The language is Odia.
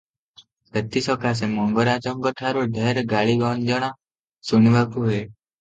ସେଥିସକାଶେ ମଙ୍ଗରାଜଙ୍କଠାରୁ ଢେର୍ ଗାଳି ଗଞ୍ଜଣା ଶୁଣିବାକୁ ହୁଏ ।